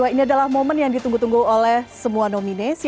ini adalah momen yang ditunggu tunggu oleh semua nominasi